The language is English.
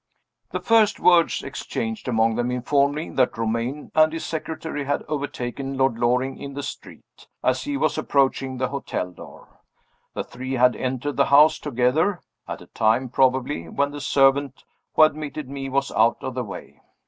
The first words exchanged among them informed me that Romayne and his secretary had overtaken Lord Loring in the street, as he was approaching the hotel door. The three had entered the house together at a time, probably, when the servant who had admitted me was out of the way.